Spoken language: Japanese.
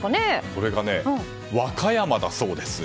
それがね、和歌山だそうです。